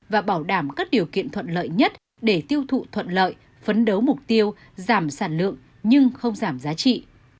và bảo đảm các điều kiện thuận lợi nhất để tiêu thụ thuận lợi phấn đấu mục tiêu giảm sản lượng nhưng không giảm giá trị